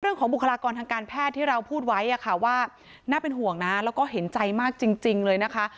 บุคลากรทางการแพทย์ที่เราพูดไว้ว่าน่าเป็นห่วงนะแล้วก็เห็นใจมากจริงเลยนะคะ